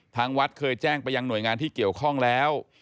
ทางวัดเคยแจ้งไปยังหน่วยงานที่เกี่ยวข้องแล้ว